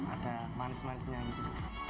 ada manis manisnya gitu